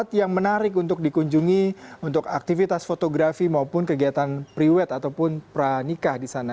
tempat yang menarik untuk dikunjungi untuk aktivitas fotografi maupun kegiatan priwet ataupun pranikah di sana